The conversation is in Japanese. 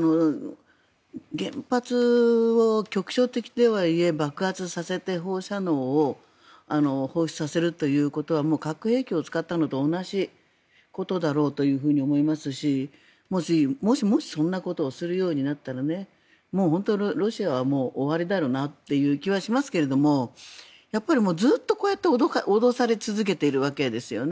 原発を局所的とはいえ爆発させて放射能を放出させるということは核兵器を使ったのと同じことだろうというふうに思いますしもし、そんなことをするようになったら本当にロシアは終わりだよなという気はしますがずっとこうやって脅され続けているわけですよね。